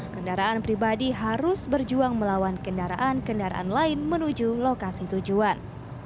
kendaraan pribadi harus berjuang melawan kendaraan kendaraan lain menuju lokasi tujuan